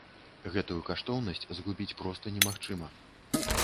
Гэтую каштоўнасць згубіць проста немагчыма.